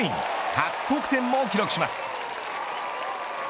初得点も記録します。